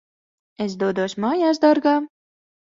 Es dodos mājās, dārgā.